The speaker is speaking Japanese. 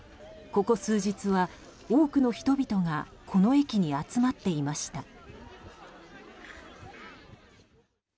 ここ数日は多くの人々がこの駅に集まっていました。